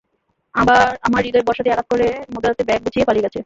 আমার হৃদয়ে বর্শা দিয়ে আঘাত করে মধ্যরাতে ব্যাগ গুছিয়ে পালিয়ে গেছে!